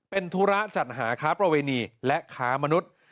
เป็นธุระจัดหาค้าประเวณีและค้ามนุษย์